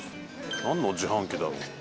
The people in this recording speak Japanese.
なんの自販機だろう？